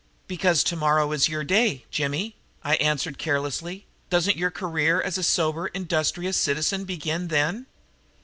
"Because tomorrow is your day, Jimmy," I answered carelessly. "Doesn't your career as a sober, industrious citizen begin then?"